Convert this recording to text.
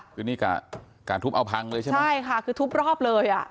คือนี่กะทุบเอาพังเลยใช่ไหมใช่ค่ะคือทุบรอบเลยอ่ะ